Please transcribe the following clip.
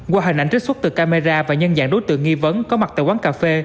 qua hình ảnh trích xuất từ camera và nhân dạng đối tượng nghi vấn có mặt tại quán cà phê